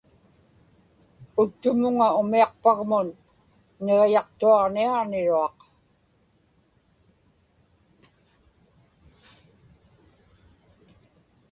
uttumuŋa umiaqpagmun niġiyaqtuaġniaġniruaq